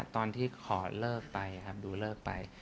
ตอนที่ขอเลิกไป